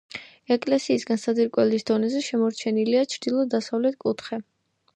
ეკლესიისგან საძირკველის დონეზე შემორჩენილია ჩრდილო-დასავლეთ კუთხე.